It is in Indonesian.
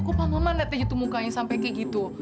kok pak mauman liat jatuh mukanya sampai kaya gitu